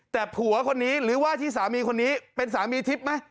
แต่ผัวคนนี้หรือว่าที่สามีคนนี้เป็นสามีทิพย์ไหม